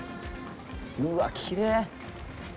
うわ、きれい。